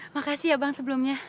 makasih ya bang sebelumnya